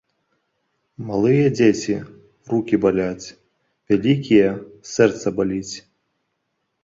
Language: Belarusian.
Малыя дзеці – рукі баляць, вялікія – сэрца баліць